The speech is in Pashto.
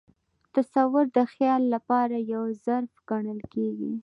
تصویر د خیال له پاره یو ظرف ګڼل کېږي.